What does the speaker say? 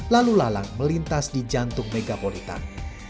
lalu lalang melintas di jantung megapolitan